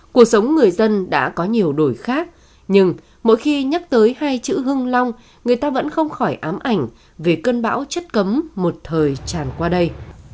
cuộc sống người dân đã có nhiều đổi khác nhưng mỗi khi nhắc tới hai chữ hưng long người ta vẫn không khỏi ám ảnh về cơn bão chất cấm một thời tràn qua đây